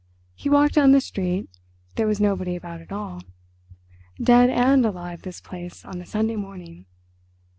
He walked down the street—there was nobody about at all—dead and alive this place on a Sunday morning.